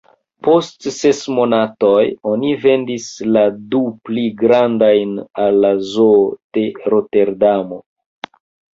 Post ses monatoj, oni vendis la du pli grandajn al la Zoo de Roterdamo.